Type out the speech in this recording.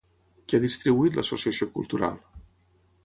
Què ha distribuït l'associació cultural?